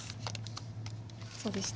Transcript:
そうでした。